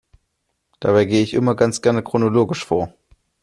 Dabei gehe ich immer ganz gerne chronologisch vor.